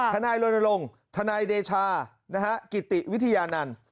ทนายโรนลงทนายเดชานะฮะกิติวิทยานันตร์